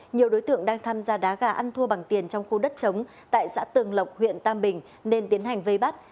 nhiều đối tượng đang tham gia đá gà ăn thua bằng tiền trong khu đất chống tại xã tường lộc huyện tam bình nên tiến hành vây bắt